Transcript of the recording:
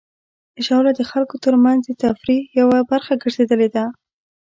ژاوله د خلکو ترمنځ د تفریح یوه برخه ګرځېدلې ده.